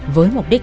với mục đích